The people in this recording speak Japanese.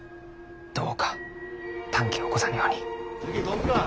どうか短気を起こさぬように。